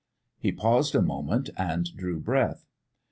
He paused a moment and drew breath.